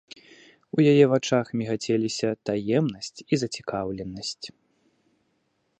У яе вачах мігацеліся таемнасць і зацікаўленасць.